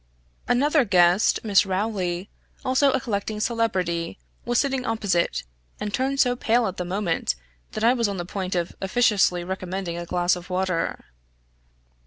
Another guest, Miss Rowley, also a collecting celebrity, was sitting opposite, and turned so pale at the moment, that I was on the point of officiously recommending a glass of water.